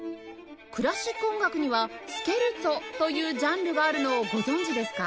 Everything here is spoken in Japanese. クラシック音楽には「スケルツォ」というジャンルがあるのをご存じですか？